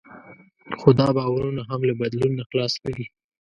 خو دا باورونه هم له بدلون نه خلاص نه دي.